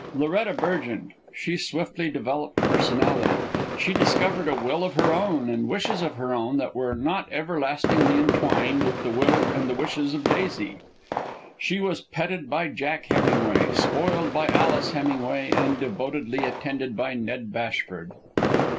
Loretta burgeoned. She swiftly developed personality. She discovered a will of her own and wishes of her own that were not everlastingly entwined with the will and the wishes of Daisy. She was petted by Jack Hemingway, spoiled by Alice Hemingway, and devotedly attended by Ned Bashford.